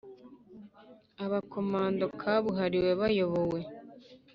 aba komando kabuhariwe bayobowe